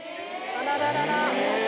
あらららら。